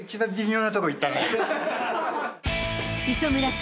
［磯村君